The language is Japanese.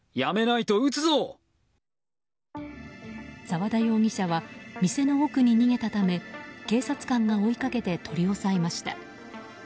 沢田容疑者は店の奥に逃げたため警察官が追いかけて取り押さえました。